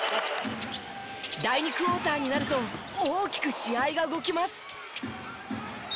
第２クオーターになると大きく試合が動きます。